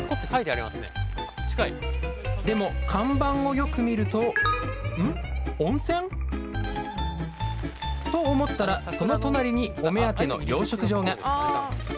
でも看板をよく見るとん温泉？と思ったらその隣にお目当ての養殖場が。